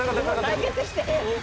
対決してる。